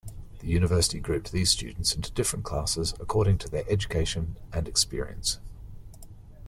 The university grouped these students into different classes according to their education and experience.